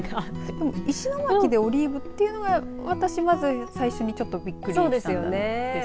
でも、石巻でオリーブというのはまず最初にびっくりしたんです。